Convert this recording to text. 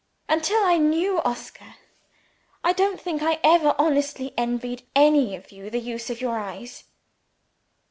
Until I knew Oscar, I don't think I ever honestly envied any of you the use of your eyes."